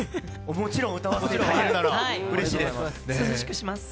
もちろん歌わせていただけたらうれしいです。